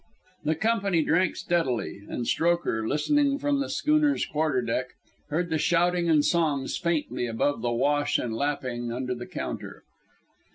The Company drank steadily, and Strokher, listening from the schooner's quarterdeck, heard the shouting and the songs faintly above the wash and lapping under the counter.